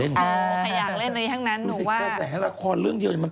ใครอยากเล่นนี้แท่งนั้น